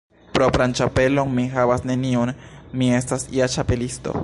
Propran ĉapelon mi havas neniun. Mi estas ja Ĉapelisto.